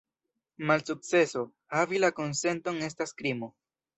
Malsukceso havi la konsenton estas krimo.